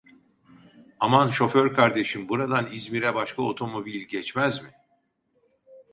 Aman şoför kardeşim, buradan İzmir'e başka otomobil geçmez mi?